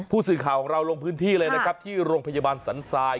ผู้สื่อข่าวของเราลงพื้นที่เลยนะครับที่โรงพยาบาลสันทราย